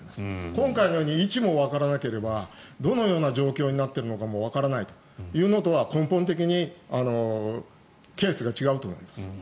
今回のように位置もわからなければどのような状況になっているかもわからないというのとは根本的にケースが違うと思います。